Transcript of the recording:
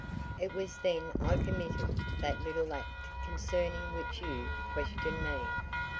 It was then I committed that little act concerning which you questioned me.